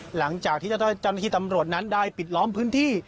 หลังจากที่เจ้าหน้าที่ตำรวจนั้นได้ปิดล้อมพื้นที่